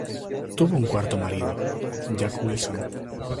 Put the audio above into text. Tuvo un cuarto marido, Jack Wilson.